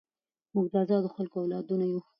موږ د ازادو خلکو اولادونه یو.